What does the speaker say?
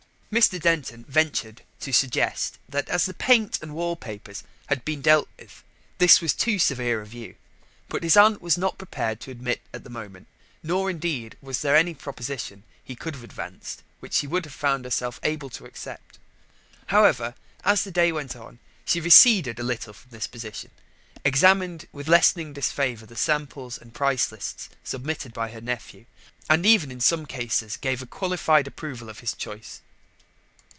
Mr. Denton ventured to suggest that as the paint and wallpapers had been dealt with, this was too severe a view: but this his aunt was not prepared to admit at the moment. Nor, indeed, was there any proposition he could have advanced which she would have found herself able to accept. However, as the day went on, she receded a little from this position: examined with lessening disfavour the samples and price lists submitted by her nephew, and even in some cases gave a qualified approval to his choice.